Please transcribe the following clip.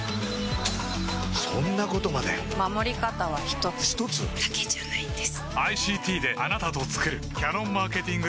そんなことまで守り方は一つ一つ？だけじゃないんです